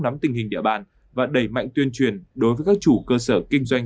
nắm tình hình địa bàn và đẩy mạnh tuyên truyền đối với các chủ cơ sở kinh doanh